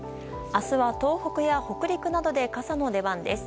明日は東北や北陸などで傘の出番です。